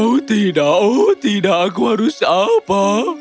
oh tidak oh tidak aku harus apa